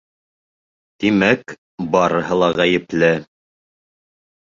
Тимәк, барыһы ла ғәйепле.